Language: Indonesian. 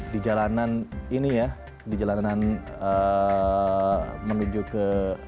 di jalanan ini ya di jalanan menuju ke